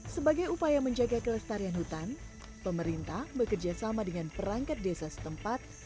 sebagai upaya menjaga kelestarian hutan pemerintah bekerja sama dengan perangkat desa setempat